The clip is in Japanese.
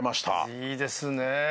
いいですね。